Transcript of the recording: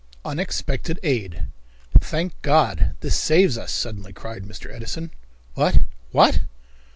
Unexpected Aid. "Thank God, this saves us," suddenly cried Mr. Edison. "What what?"